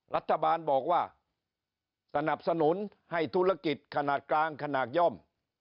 รัฐบาลบอกว่าสนับสนุนให้ธุรกิจขนาดกลางขนาดย่อม